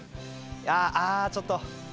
あちょっと。